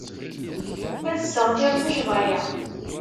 Ad sseɣtiɣ tuccḍa-ya.